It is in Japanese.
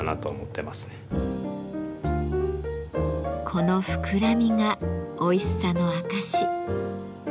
この膨らみがおいしさの証し。